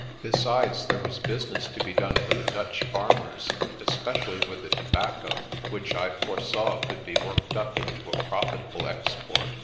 Besides, there was business to be done with the Dutch farm ers, especially with the tobacco, which I foresaw could be worked up into a profitable export.